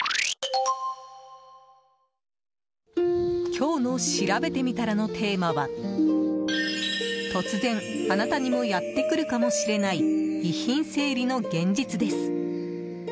今日のしらべてみたらのテーマは突然、あなたにもやってくるかもしれない遺品整理の現実です。